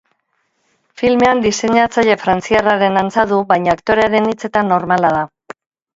Filmean diseinatzaile frantziarraren antza du, baina aktorearen hitzetan normala da.